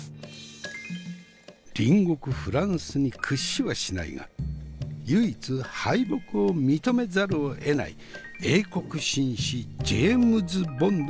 隣国フランスに屈しはしないが唯一敗北を認めざるをえない英国紳士ジェームズ・ボンドが愛したシャンパン。